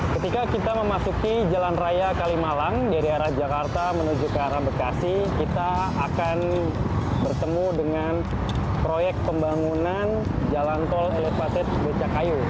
ketika kita memasuki jalan raya kalimalang dari arah jakarta menuju ke arah bekasi kita akan bertemu dengan proyek pembangunan jalan tol elevated becakayu